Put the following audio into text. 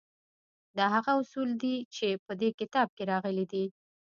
دا هغه اصول دي چې په دې کتاب کې راغلي دي